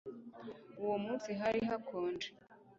Uwo munsi hari hakonje